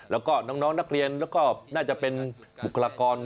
แล้วก็น้องนักเรียนแล้วก็น่าจะเป็นบุคลากร